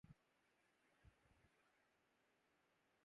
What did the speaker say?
neither lands